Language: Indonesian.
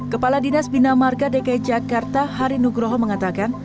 kepala dinas bina marga dki jakarta hari nugroho mengatakan